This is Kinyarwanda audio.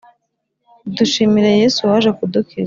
dushimira Yesu waje kudukiza.